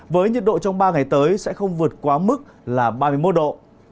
với nhiệt độ trong ba ngày tới sẽ không vượt quá mức là ba mươi một độ